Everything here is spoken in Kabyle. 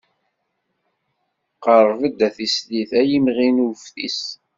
Qerb-d a tislit, ay imɣi n uftis.